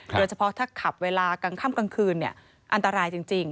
โดยเฉพาะถ้าขับเวลากลางค่ำกลางคืนอันตรายจริง